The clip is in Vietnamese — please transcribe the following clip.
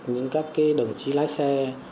những các đồng chí lái xe